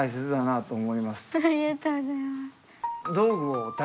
ありがとうございます。